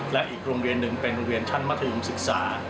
และอีกโรงเรียนหนึ่งเป็นโรงเรียนชั้นมัธยมศึกษา